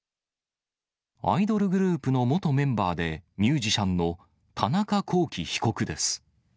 アイドルグループの元メンバーでミュージシャンの田中聖被告です。